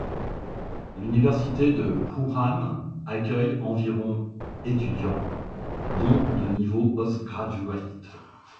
L'université de Wuhan accueille environ étudiants, dont de niveau postgraduate.